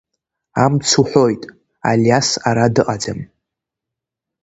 Амц уҳәоит, Алиас ара дыҟаӡам!